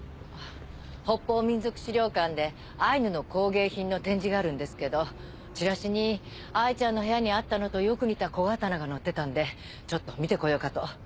北方民俗資料館でアイヌの工芸品の展示があるんですけどチラシに藍ちゃんの部屋にあったのとよく似た小刀が載ってたんでちょっと見てこようかと。